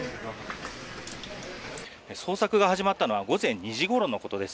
捜索が始まったのは午前２時ごろのことです。